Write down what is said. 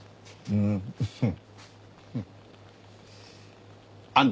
うん。